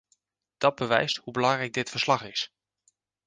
Dat bewijst hoe belangrijk dit verslag is.